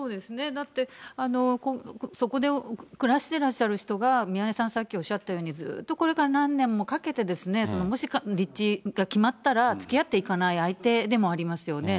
だって、そこで暮らしていらっしゃる人が、宮根さん、さっきおっしゃったように、ずっとこれから何年もかけて、もし立地が決まったら、つきあっていかないといけない相手でもありますよね。